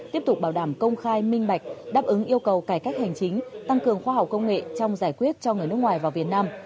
tiếp tục bảo đảm công khai minh bạch đáp ứng yêu cầu cải cách hành chính tăng cường khoa học công nghệ trong giải quyết cho người nước ngoài vào việt nam